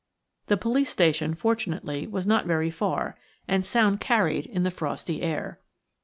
The police station fortunately was not very far, and sound carried in the frosty air.